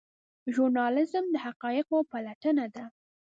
ژورنالیزم د حقایقو پلټنه ده